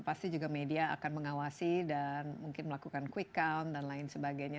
pasti juga media akan mengawasi dan mungkin melakukan quick count dan lain sebagainya